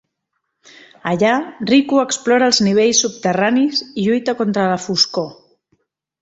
Allà, Riku explora els nivells subterranis i lluita contra la foscor.